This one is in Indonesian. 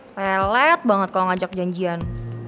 pelet banget kalau ngajak janjian